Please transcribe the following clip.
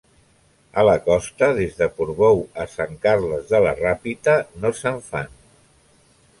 A la costa des de Portbou a Sant Carles de la Ràpita, no se'n fan.